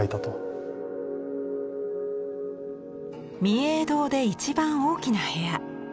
御影堂で一番大きな部屋。